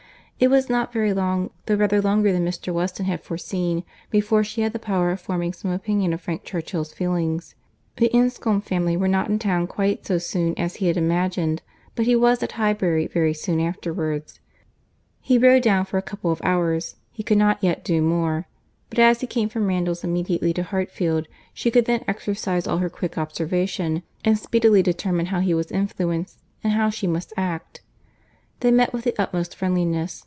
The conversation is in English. It was not very long, though rather longer than Mr. Weston had foreseen, before she had the power of forming some opinion of Frank Churchill's feelings. The Enscombe family were not in town quite so soon as had been imagined, but he was at Highbury very soon afterwards. He rode down for a couple of hours; he could not yet do more; but as he came from Randalls immediately to Hartfield, she could then exercise all her quick observation, and speedily determine how he was influenced, and how she must act. They met with the utmost friendliness.